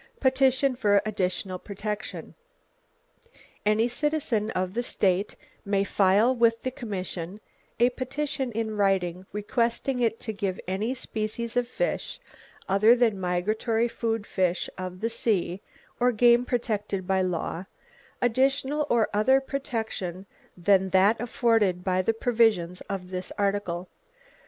Petition for additional protection. Any citizen of the state may file with the commission a petition in writing requesting it to give any species of fish, other than migratory food fish of the sea, or game protected by law, additional or other protection than that afforded by the provisions of this article.